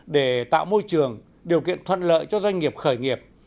để tạo môi trường điều kiện thuận lợi cho doanh nghiệp khởi nghiệp